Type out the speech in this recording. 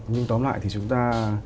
nhưng tóm lại thì chúng ta